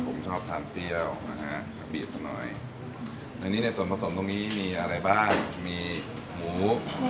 ผมชอบทานเปรี้ยวนะฮะบีบสักหน่อยในนี้ในส่วนผสมตรงนี้มีอะไรบ้างมีหมู